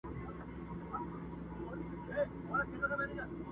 o پر او خور چي دي لوى کړی وي، غاښ ئې مه گوره٫